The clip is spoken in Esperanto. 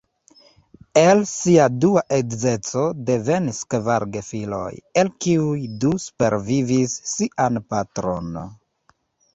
El sia dua edzeco devenis kvar gefiloj, el kiuj du supervivis sian patron.